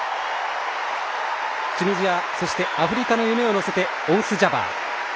チュニジア、そしてアフリカの夢を乗せてオンス・ジャバー。